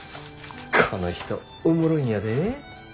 この人おもろいんやで。